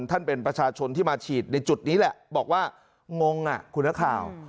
ท่านเป็นประชาชนที่มาฉีดในจุดนี้แหละบอกว่างงอ่ะคุณนักข่าว